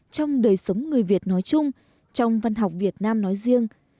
trong đời sống người việt nói chung trong văn học việt nam nói riêng